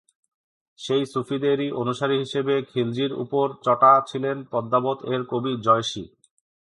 সেই সুফিদেরই অনুসারী হিসেবে খিলজির ওপর চটা ছিলেন পদ্মাবত-এর কবি জয়সী।